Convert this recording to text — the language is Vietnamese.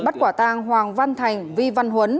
bắt quả tang hoàng văn thành vi văn huấn